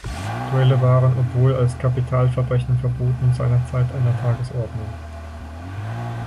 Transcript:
Duelle waren, obwohl als Kapitalverbrechen verboten, seinerzeit an der Tagesordnung.